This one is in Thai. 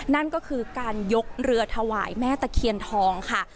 นั่นก็คือการยกเรือถวายแม่ตะเคียนทองค่ะ